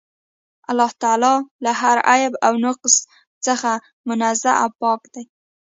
الله تعالی له هر عيب او نُقص څخه منزَّه او پاك دی